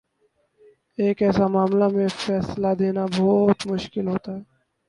ایک ایسے معاملے میں فیصلہ دینا بہت مشکل ہوتا ہے۔